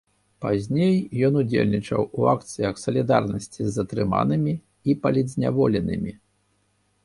Пазней ён удзельнічаў у акцыях салідарнасці з затрыманымі і палітзняволенымі.